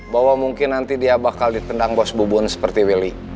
bahwa mungkin nanti dia bakal ditendang bos bubun seperti willy